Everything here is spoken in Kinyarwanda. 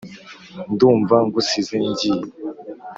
Ndumva ngusize ngiye,